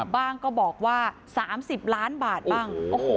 ก็บอกว่า๓๐ล้านบาทบ้าง